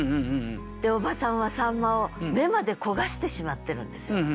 で叔母さんは秋刀魚を眼迄焦がしてしまってるんですよ。